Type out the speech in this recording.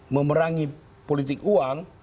memerangi politik uang